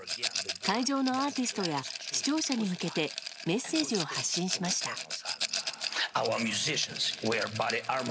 会場のアーティストや視聴者に向けてメッセージを発信しました。